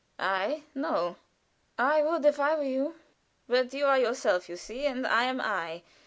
"I? No." "I would if I were you." "But you are yourself, you see, and I am I.